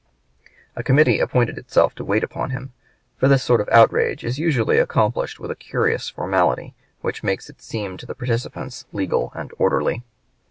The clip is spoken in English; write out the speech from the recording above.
A committee appointed itself to wait upon him; for this sort of outrage is usually accomplished with a curious formality which makes it seem to the participants legal and orderly.